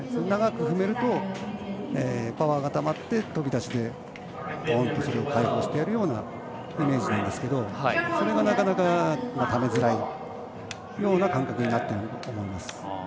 長く踏めるとパワーがたまって飛び出して、ぽーんと解放してやるようなイメージでいいんですけどそれが、なかなかためづらいような感覚になっていると思います。